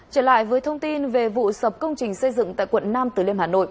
trở lại với thông tin về vụ sập công trình xây dựng tại quận nam từ liêm hà nội